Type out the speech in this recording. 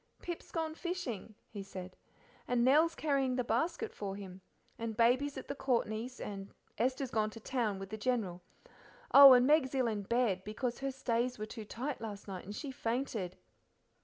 "Pip's gone fishing," he said, "and Nell's carrying the basket for him. And Baby's at the Courtneys', and Esther's gone to town with the General. Oh, and Meg's ill in bed, because her stays were too tight last night and she fainted."